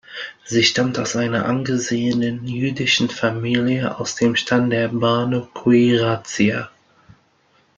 Sie stammt aus einer angesehenen jüdischen Familie, aus dem Stamm der Banu Quraiza.